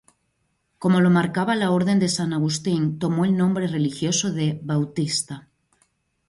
Como lo marcaba la orden de San Agustín, tomó el nombre religioso de "Bautista".